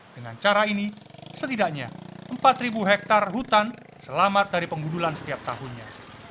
dengan cara ini setidaknya empat hektare hutan selamat dari penggudulan setiap tahunnya